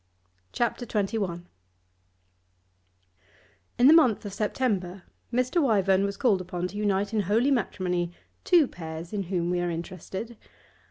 CHAPTER XXI In the month of September Mr. Wyvern was called upon to unite in holy matrimony two pairs in whom we are interested.